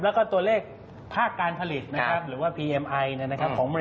แล้วก็ตัวเลขภาคการผลิตนะครับ